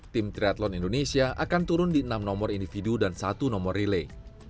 tim triathlon indonesia akan turun di enam nomor individu dan satu nomor relay